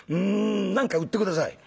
何か売って下さい」。